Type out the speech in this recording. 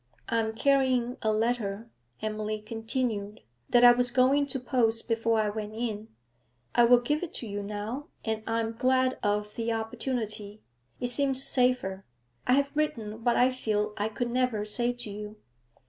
'I am carrying a letter,' Emily continued, 'that I was going to post before I went in. I will give it you now, and I am glad of the opportunity; it seems safer. I have written what I feel I could never say to you.